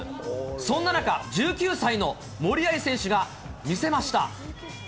そんな中、１９歳の森秋彩選手が見せました。